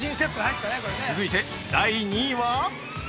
◆続いて第２位は。